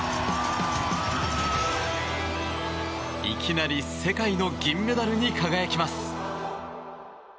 いきなり世界の銀メダルに輝きます。